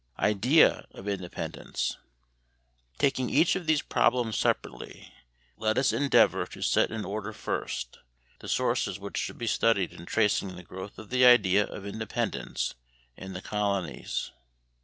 Idea of Independence. Taking each of these problems separately, let us endeavor to set in order first, the sources which should be studied in tracing the growth of the idea of independence in the colonies.